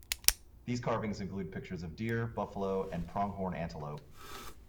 These carvings include pictures of deer, buffalo, and pronghorn antelope.